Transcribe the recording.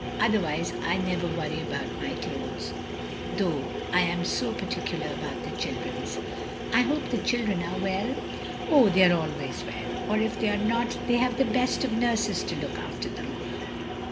Otherwise I never worry about my clothes, though I am so particular about the children's. "" I hope the children are well?" " Oh, they are always well — or if they are not, they have the best of ntirses to look after them.